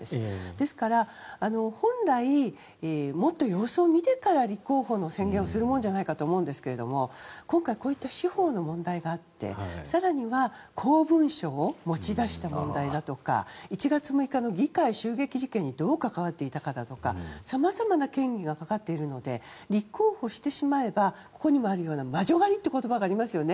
ですから、本来もっと様子を見てから立候補の宣言をするものじゃないかと思うんですが今回、こういった司法の問題があって更には公文書を持ち出した問題だとか１月６日の議会襲撃事件にどう関わっていたかとか様々な嫌疑がかかっているので立候補してしまえばここにあるような魔女狩りという言葉がありますよね。